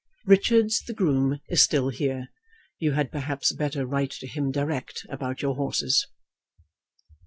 Richards, the groom, is still here. You had perhaps better write to him direct about your horses.